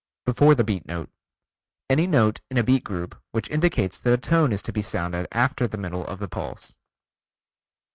Before the Beat Note: Any note in a beat group which indicates that a tone is to be sounded after the middle of the pulse.